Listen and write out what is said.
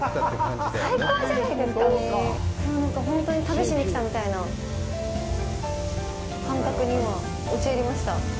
本当に旅しに来たみたいな感覚に今、陥りました。